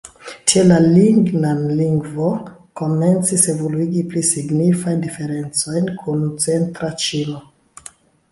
Tiel la Lingnan-lingvo komencis evoluigi pli signifajn diferencojn kun centra ĉino.